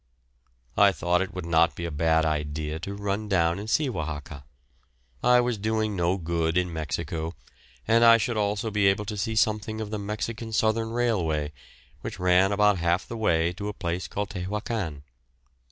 I thought it would not be a bad idea to run down and see Oaxaca. I was doing no good in Mexico, and I should also be able to see something of the Mexican Southern Railway, which ran about half the way to a place called Tehuacan.